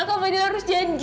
kak fadil harus janji